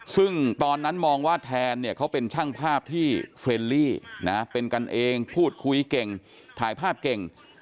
ซึ่งตอนนั้นมองว่าแทนเนี่ยเขาเป็นช่างภาพที่เฟรนลี่นะเป็นกันเองพูดคุยเก่งถ่ายภาพเก่ง